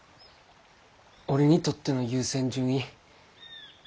俺にとっての優先順位。